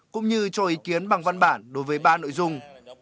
cũng như cho ý kiến bằng văn bản đối với ba nội dung